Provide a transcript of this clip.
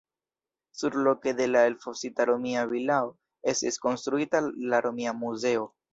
Surloke de la elfosita romia vilao estis konstruita la romia muzeo.